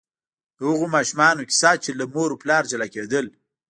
د هغو ماشومانو کیسه چې له مور او پلار جلا کېدل.